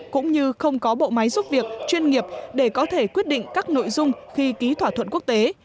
cũng như không có bộ máy giúp việc chuyên nghiệp để có thể quyết định các nội dung khi ký thỏa thuận quốc tế